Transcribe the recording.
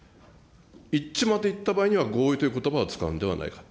一致までいった場合には合意ということばを使うんではないか。